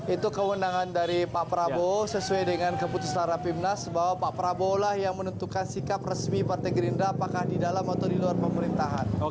itu kewenangan dari pak prabowo sesuai dengan keputusan rapimnas bahwa pak prabowo lah yang menentukan sikap resmi partai gerindra apakah di dalam atau di luar pemerintahan